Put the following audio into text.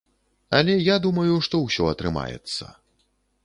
Але я думаю, што ўсё атрымаецца.